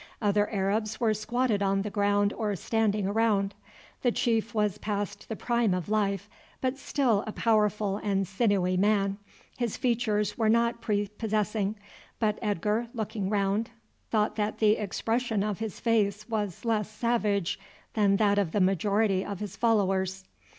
Other Arabs were squatted on the ground or standing round. The chief was past the prime of life, but still a powerful and sinewy man. His features were not prepossessing; but Edgar, looking round, thought that the expression of his face was less savage than that of the majority of his followers.